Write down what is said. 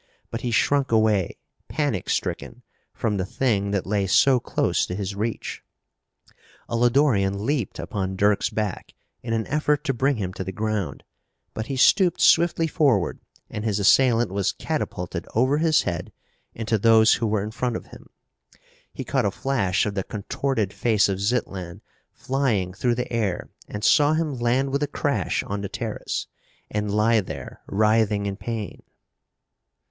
But he shrunk away, panic stricken, from the thing that lay so close to his reach. A Lodorian leaped upon Dirk's back in an effort to bring him to the ground, but he stooped swiftly forward and his assailant was catapulted over his head into those who were in front of him. He caught a flash of the contorted face of Zitlan flying through the air, and saw him land with a crash on the terrace, and lie there writhing in pain.